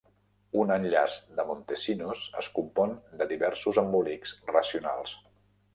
Un enllaç de Montesinos es compon de diversos embolics racionals.